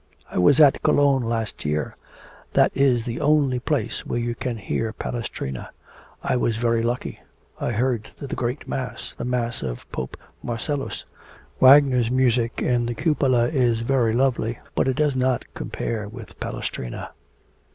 I was at Cologne last year that is the only place where you can hear Palestrina. I was very lucky I heard the great Mass, the Mass of Pope Marcellus. Wagner's music in the cupola is very lovely, but it does not compare with Palestrina.'